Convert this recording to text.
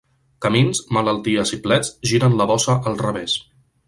Camins, malalties i plets giren la bossa al revés.